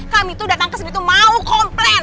kami tuh datang ke sini tuh mau komplain